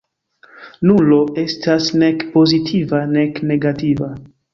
Nulo estas nek pozitiva nek negativa.